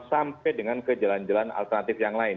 sampai dengan ke jalan jalan alternatif yang lain